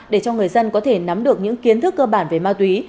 để cho người dân có thể nắm được những kiến thức cơ bản về ma túy